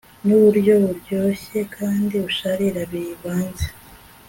Nuburyo buryoshye kandi busharira bivanze